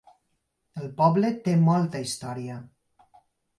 El poble té molta història.